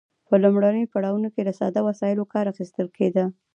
په لومړیو پړاوونو کې له ساده وسایلو کار اخیستل کیده.